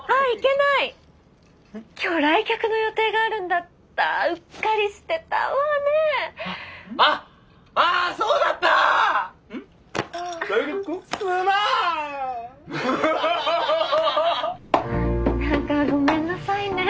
なんかごめんなさいね。